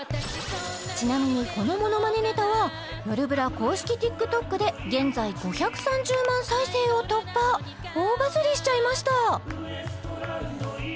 ちなみにこのものまねネタは「よるブラ」公式ＴｉｋＴｏｋで現在５３０万再生を突破大バズりしちゃいました！